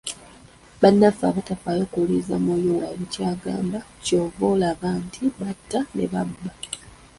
Bannaffe abatafaayo kuwuliriza mwoyo waabwe ky’abagamba, ky'ova olaba nti batta, ne babba